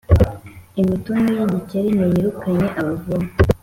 Imitunu y’igikeri ntiyirukanye abavomyi.